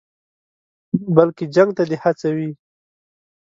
بلکې جنګ ته دې هڅوي.